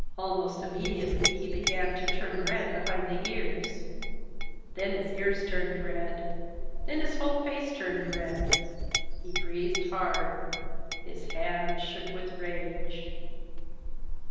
Almost immediately he began to turn red behind the ears. Then his ears turned red. Then his whole face turned red. He breathed hard. His hand shook with rage.